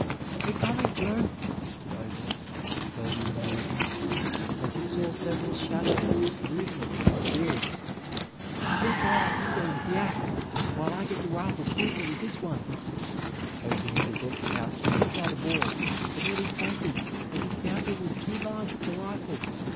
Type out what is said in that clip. "They're coming, Joe!" whispered Obed early in the evening, as he saw several shadows moving across the fields. "Stand by that window with the axe, while I get the rifle pointed at this one." Opening the bullet pouch, he took out a ball, but nearly fainted as he found it was too large for the rifle.